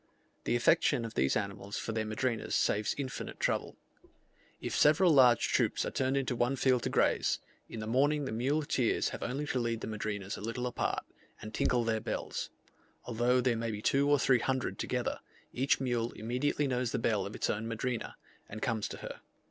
The affection of these animals for their madrinas saves infinite trouble. If several large troops are turned into one field to graze, in the morning the muleteers have only to lead the madrinas a little apart, and tinkle their bells; although there may be two or three hundred together, each mule immediately knows the bell of its own madrina, and comes to her.